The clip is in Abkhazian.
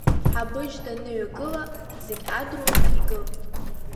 Ҳабыџь даныҩагыла, зегьы адруҳәа игылт.